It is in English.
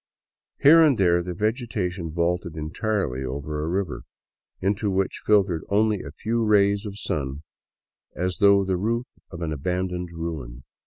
Here and there the vegetation vaulted entirely over a " river " into which filtered only a few rays of sun, as through the roof of an abandoned ruin.